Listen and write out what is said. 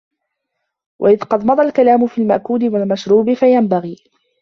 وَإِذْ قَدْ مَضَى الْكَلَامُ فِي الْمَأْكُولِ وَالْمَشْرُوبِ فَيَنْبَغِي